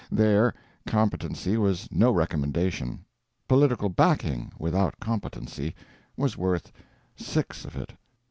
There, competency was no recommendation; political backing, without competency, was worth six of it.